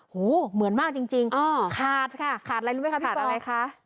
หู้เหมือนมากจริงขาดค่ะขาดอะไรรู้ไหมคะพี่ป้อง